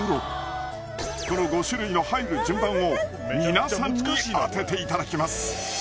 この５種類の入る順番を皆さんに当てていただきます